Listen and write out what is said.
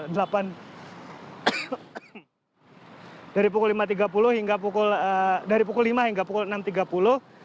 dari pukul lima tiga puluh hingga pukul dari pukul lima hingga pukul enam tiga puluh